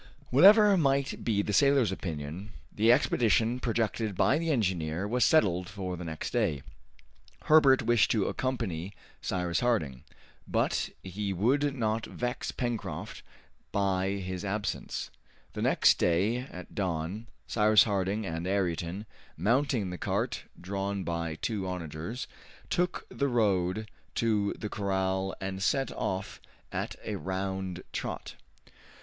Whatever might be the sailor's opinion, the expedition projected by the engineer was settled for the next day. Herbert wished to accompany Cyrus Harding, but he would not vex Pencroft by his absence. The next day, at dawn, Cyrus Harding and Ayrton, mounting the cart drawn by two onagers, took the road to the corral and set off at a round trot.